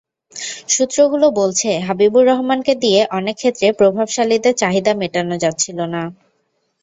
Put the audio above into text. সূত্রগুলো বলছে, হাবিবুর রহমানকে দিয়ে অনেক ক্ষেত্রে প্রভাবশালীদের চাহিদা মেটানো যাচ্ছিল না।